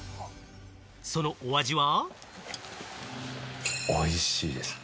そのお味は。